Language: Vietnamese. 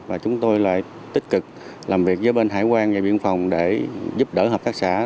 và chúng tôi lại tích cực làm việc với bên hải quan và biên phòng để giúp đỡ hợp tác xã